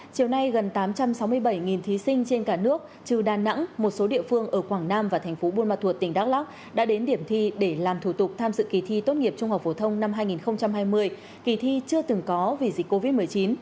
chiều nay gần tám trăm sáu mươi bảy thí sinh trên cả nước trừ đà nẵng một số địa phương ở quảng nam và thành phố buôn ma thuột tỉnh đắk lóc đã đến điểm thi để làm thủ tục tham dự kỳ thi tốt nghiệp trung học phổ thông năm hai nghìn hai mươi kỳ thi chưa từng có vì dịch covid một mươi chín